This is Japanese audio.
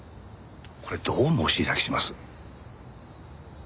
これどう申し開きします？